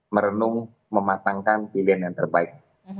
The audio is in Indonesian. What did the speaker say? merenung mematangkan pilihan yang terbaik